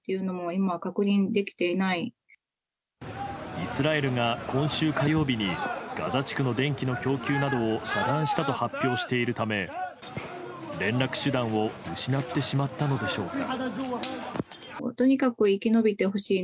イスラエルが今週火曜日にガザ地区の電気の供給などを遮断したと発表しているため連絡手段を失ってしまったのでしょうか。